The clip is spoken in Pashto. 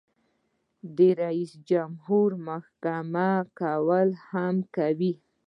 د جمهور رئیس محاکمه کول هم کوي.